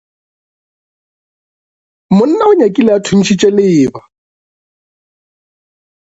Monna o nyakile a thuntšhitše leeba.